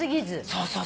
そうそう。